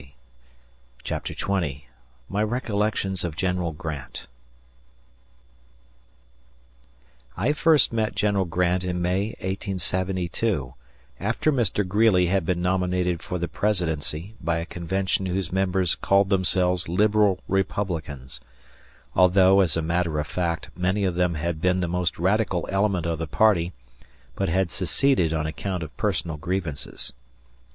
Lee. CHAPTER XX MY RECOLLECTIONS OF GENERAL GRANT I FIRST met General Grant in May, 1872, after Mr. Greeley had been nominated for the presidency by a convention whose members called themselves Liberal Republicans although, as a matter of fact, many of them had been the most radical element of the party, but had seceded on account of personal grievances.